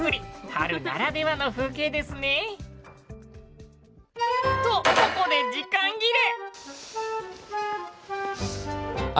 春ならではの風景ですね。とここで時間切れ！